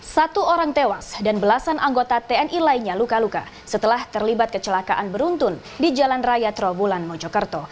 satu orang tewas dan belasan anggota tni lainnya luka luka setelah terlibat kecelakaan beruntun di jalan raya trawulan mojokerto